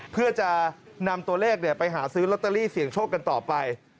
เพื่อจะนำตัวเลขไปหาซื้อลอตเตอรี่เสี่ยงโชคกันต่อไป